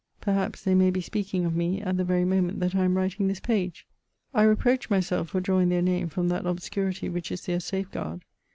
Perhaps they may be speaking of me, at the very moment that I am writing this page. I reproach myself for drawing their name from that obscurity which is their safeguard.